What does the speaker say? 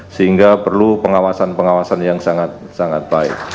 sehingga perlu pengawasan pengawasan yang sangat sangat baik